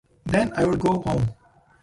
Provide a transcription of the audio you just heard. Then I'd go home.